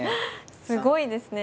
すごいですね。